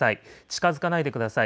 近づかないでください。